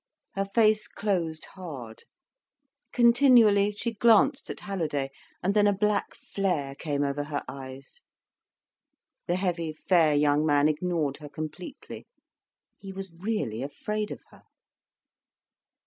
Her face closed hard. Continually she glanced at Halliday, and then a black flare came over her eyes. The heavy, fair young man ignored her completely; he was really afraid of her.